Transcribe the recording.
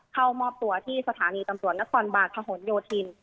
เข้ามอบตัวที่สถานีตำรวจนครบาลพะหนโยธิน